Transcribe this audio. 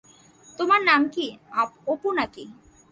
তোমার নাম কি-অপু না কি?